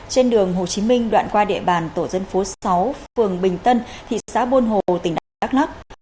trên đường hồ chí minh đoạn qua địa bàn tổ dân phố sáu phường bình tân thị xã buôn hồ tỉnh đắk lắc